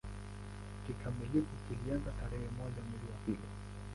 Kikamilifu kilianza tarehe moja mwezi wa pili